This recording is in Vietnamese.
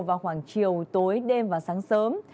vào khoảng chiều tối đêm và sáng sớm